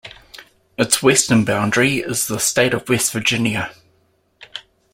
Its western boundary is the State of West Virginia.